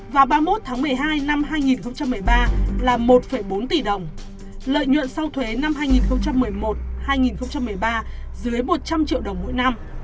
vào ba mươi một tháng một mươi hai năm hai nghìn một mươi ba là một bốn tỷ đồng lợi nhuận sau thuế năm hai nghìn một mươi một hai nghìn một mươi ba dưới một trăm linh triệu đồng mỗi năm